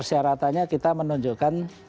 rata ratanya kita menunjukkan